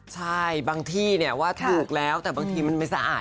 ใช่บางที่เนี่ยว่าถูกแล้วแต่บางทีมันไม่สะอาด